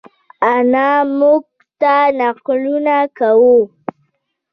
انا مونږ ته نقلونه کوی